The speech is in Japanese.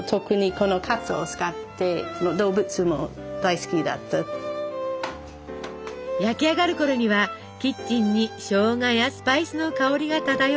焼き上がるころにはキッチンにしょうがやスパイスの香りが漂います。